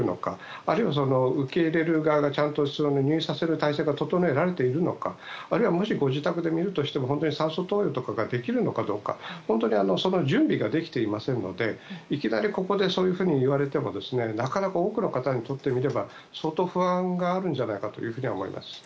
あるいは受け入れる側がちゃんと入院させる態勢が整えられているのかあるいはもしご自宅で診るとしても酸素投与ができるのかどうか、本当にその準備ができていませんのでいきなりここでそういうふうに言われてもなかなか多くの方にとってみれば相当、不安があるんじゃないかというふうに思います。